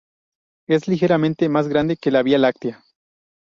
Es ligeramente más grande que la Vía Láctea.